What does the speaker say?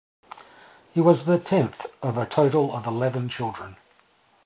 He was the tenth of a total of eleven children.